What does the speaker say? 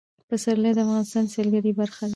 پسرلی د افغانستان د سیلګرۍ برخه ده.